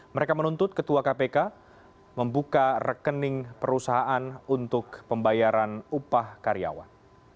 mereka menuntut ketua kpk membuka rekening perusahaan untuk pembayaran upah karyawan